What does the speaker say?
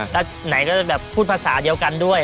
แล้วไหนก็จะแบบพูดภาษาเดียวกันด้วย